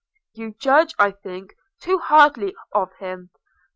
'You judge, I think, too hardly of him.